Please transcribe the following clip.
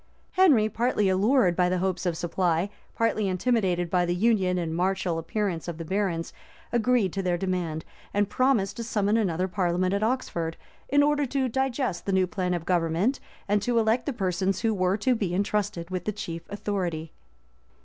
Henry, partly allured by the hopes of supply, partly intimidated by the union and martial appearance of the barons, agreed to their demand, and promised to summon another parliament at Oxford, in order to digest the new plan of government, and to elect the persons who were to be intrusted with the chief authority.